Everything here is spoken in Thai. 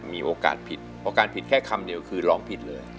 มีโอกาสผิดเพราะการผิดแค่คำเดียวคือร้องผิดเลย